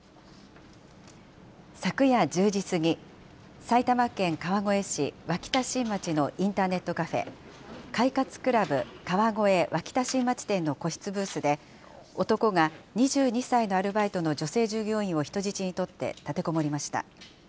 昨夜１０時過ぎ、埼玉県川越市脇田新町のインターネットカフェ、快活ＣＬＵＢ川越脇田新町店の個室ブースで、男が２２歳のアルバイトの女性従業員を人質にとって立てこもりました。